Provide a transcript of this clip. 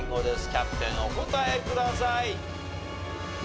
キャプテンお答えください！